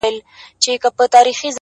پښتنه ده آخير-